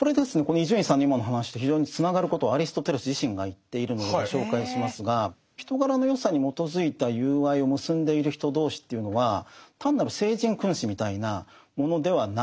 伊集院さんの今の話と非常につながることをアリストテレス自身が言っているのでご紹介しますが人柄の善さに基づいた友愛を結んでいる人同士というのは単なる聖人君子みたいなものではないんです。